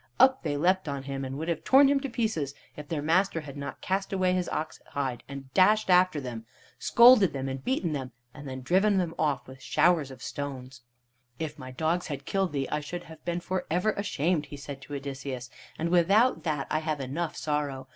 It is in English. Up they leapt on him and would have torn him to pieces if their master had not cast away his ox hide, dashed after them, scolded them and beaten them, and then driven them off with showers of stones. "If my dogs had killed thee I should have been for ever ashamed," he said to Odysseus, "and without that I have enough sorrow.